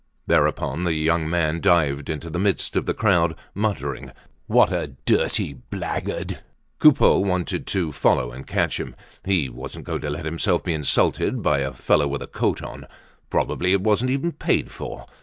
Thereupon the young man dived into the midst of the crowd, muttering: "What a dirty blackguard!" Coupeau wanted to follow and catch him. He wasn't going to let himself be insulted by a fellow with a coat on. Probably it wasn't even paid for!